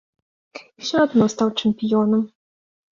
І ўсё адно стаў чэмпіёнам.